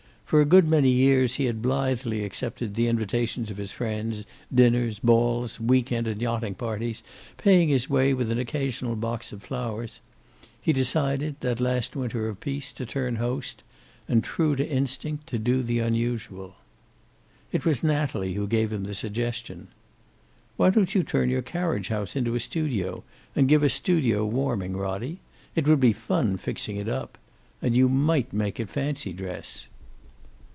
For a good many years he had blithely accepted the invitations of his friends dinners, balls, week end and yachting parties, paying his way with an occasional box of flowers. He decided, that last winter of peace, to turn host and, true to instinct, to do the unusual. It was Natalie who gave him the suggestion. "Why don't you turn your carriage house into a studio, and give a studio warming, Roddie? It would be fun fixing it up. And you might make it fancy dress."